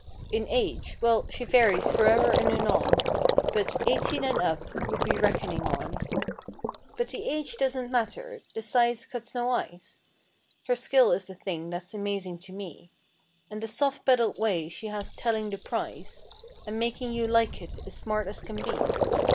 In age—well she varies fore'er and anon— But, "Eighteen and up" we'd be reckoning on. But the age doesn't matter—the size cuts no ice; Her skill is the thing that's amazing to me; And the soft pedaled way she has telling the price And making you like it, is smart as can be.